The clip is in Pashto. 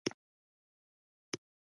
استازي کره اطلاعات ورکړل.